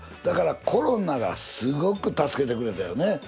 だからコロナがすごく助けてくれたよね。